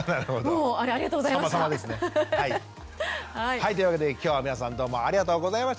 はいというわけで今日は皆さんどうもありがとうございました。